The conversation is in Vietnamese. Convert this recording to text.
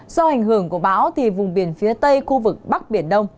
do ảnh hưởng của bão thì vùng biển phía tây khu vực bắc biển đông